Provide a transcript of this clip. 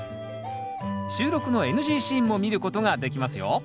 収録のＮＧシーンも見ることができますよ。